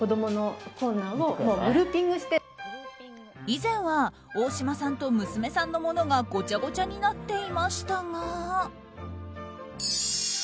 以前は大島さんと娘さんのものがごちゃごちゃになっていましたが。